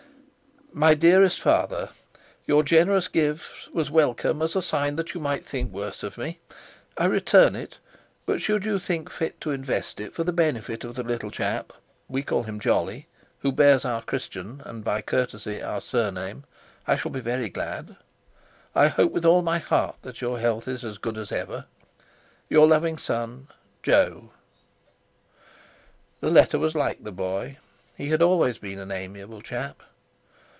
"MY DEAREST FATHER, "Your generous gift was welcome as a sign that you might think worse of me. I return it, but should you think fit to invest it for the benefit of the little chap (we call him Jolly), who bears our Christian and, by courtesy, our surname, I shall be very glad. "I hope with all my heart that your health is as good as ever. "Your loving son, "JO." The letter was like the boy. He had always been an amiable chap.